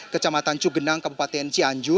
di desa kampung koleberes